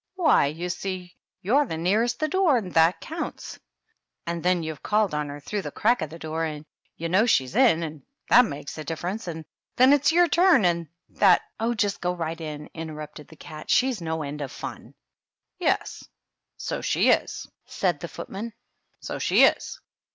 "Why, you see, you're the nearest the door, and that counts; and then you've called on her — ^through the crack of the door — and you know she's in, and tJiat makes a difference; and then it's your turn, and tJiat " "Oh, just go right in," interrupted the cat; "she's no end of fiin." " Yes ; so she is," said the footman. " So she is."